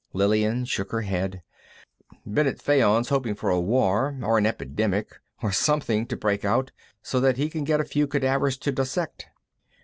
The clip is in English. Lillian shook her head. "Bennet Fayon's hoping for a war, or an epidemic, or something to break out, so that he can get a few cadavers to dissect."